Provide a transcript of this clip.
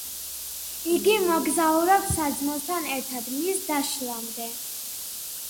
იგი მოგზაურობს საძმოსთან ერთად მის დაშლამდე.